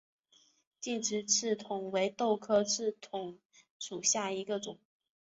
劲直刺桐为豆科刺桐属下的一个种。